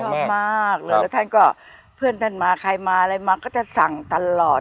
ชอบมากเลยแล้วท่านก็เพื่อนท่านมาใครมาอะไรมาก็จะสั่งตลอด